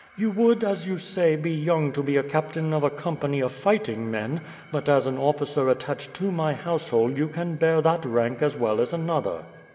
You would as you say be young to be a captain of a company of fighting men, but as an officer attached to my household you can bear that rank as well as another.